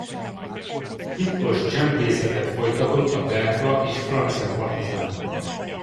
Titkos csempészetet folytatott a belga és francia partizánokkal.